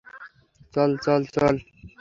চল, চল, চল!